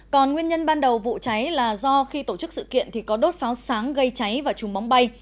còn nguyên nhân ban đầu vụ cháy là do khi tổ chức sự kiện thì có đốt pháo sáng gây cháy và chùm bóng bay